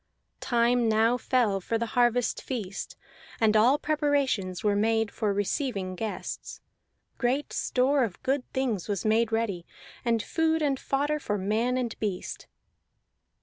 Time now fell for the harvest feast, and all preparations were made for receiving guests; great store of good things was made ready, and food and fodder for man and beast.